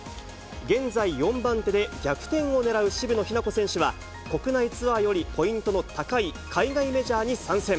現在４番手で、逆転を狙う渋野日向子選手は、国内ツアーよりポイントの高い海外メジャーに参戦。